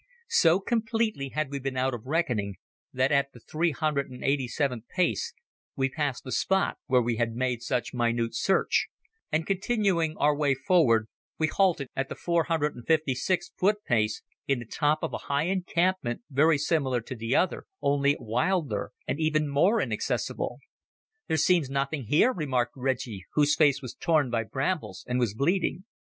So completely had we been out of reckoning that at the three hundred and eighty seventh pace we passed the spot where we had made such minute search, and continuing our way forward we halted at the four hundred and fifty sixth foot pace in the top of a high encampment very similar to the other, only wilder and even more inaccessible. "There seems nothing here," remarked Reggie, whose face was torn by brambles and was bleeding.